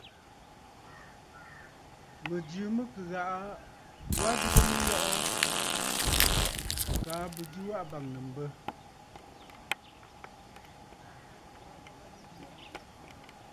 Mɨ̀jɨ mɨ kɨ ghaʼa wa adɨgə nɨyɔʼɔ kaa bɨjɨ waʼà bàŋnə̀ mbə.